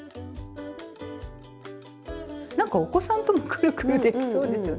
なんかお子さんともくるくるできそうですね。